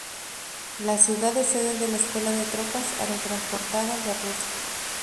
La ciudad es sede de la escuela de Tropas Aerotransportadas de Rusia.